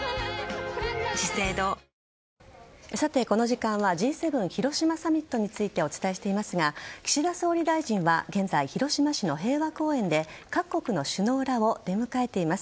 この時間はＧ７広島サミットについてお伝えしていますが岸田総理大臣は現在、広島市の平和公園で各国の首脳らを出迎えています。